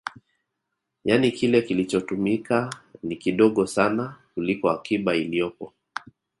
Yani kile kilichotumika ni kidogo sana kuliko akiba iliyopo